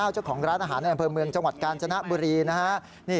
เจ้าของร้านอาหารแห่งบริเวณจังหวัดกาญจนบุรีนะฮะ